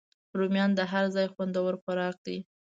رومیان د هر ځای خوندور خوراک دی